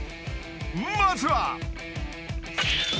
［まずは］